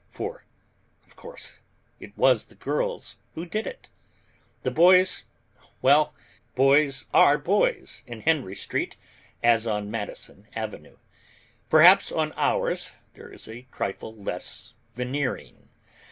For, of course, it was the girls who did it. The boys well! boys are boys in Henry Street as on Madison Avenue. Perhaps on ours there is a trifle less veneering.